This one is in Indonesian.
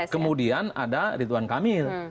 kemudian ada ridwan kamil